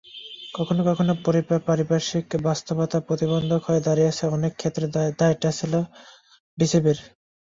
কখনো কখনো পারিপার্শ্বিক বাস্তবতা প্রতিবন্ধক হয়ে দাঁড়িয়েছে, অনেক ক্ষেত্রে দায়টা ছিল বিসিবির।